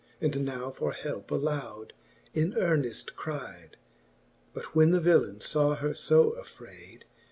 And now for helpe aloud in earneft cride. But when the villaine faw her fb affray d.